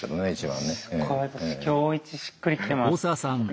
すっごい私今日一しっくりきてます。